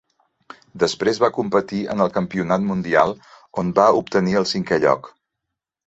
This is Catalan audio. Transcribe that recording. Després va competir en el Campionat Mundial, on va obtenir el cinquè lloc.